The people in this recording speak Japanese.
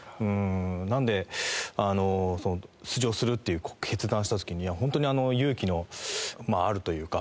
なので出場するっていう決断をした時には本当に勇気のあるというか。